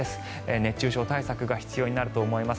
熱中症対策が必要になると思います。